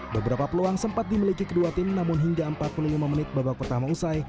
beberapa peluang sempat dimiliki kedua tim namun hingga empat puluh lima menit babak pertama usai